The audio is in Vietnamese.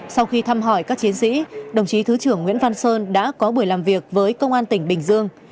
sau khi thăm hỏi các chiến sĩ đồng chí thứ trưởng nguyễn văn sơn đã có buổi làm việc với công an tỉnh bình dương